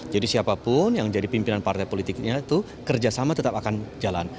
jadi siapapun yang jadi pimpinan partai politiknya itu kerjasama tetap akan jalan